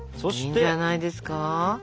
いいんじゃないですか？